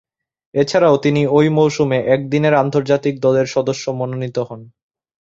এছাড়াও তিনি ঐ মৌসুমে একদিনের আন্তর্জাতিক দলের সদস্য মনোনীত হন।